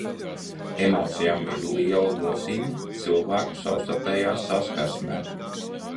Emocijām ir liela nozīme cilvēku savstarpējā saskarsmē.